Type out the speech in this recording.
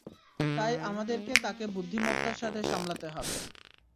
তাই আমাদের তাকে বুদ্ধিমত্তার সাথে সামলাতে হবে।